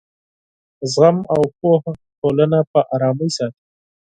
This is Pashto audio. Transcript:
زغم او پوهه ټولنه په ارامۍ ساتي.